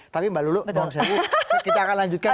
tapi mbak lulu kita akan lanjutkan